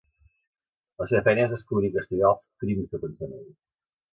La seva feina és descobrir i castigar els "crims de pensament".